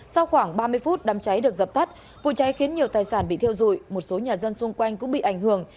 sau khoảng ba mươi phút đám cháy được dập tắt vụ cháy khiến nhiều tài sản bị thiêu dụi một số nhà dân xung quanh cũng bị ảnh hưởng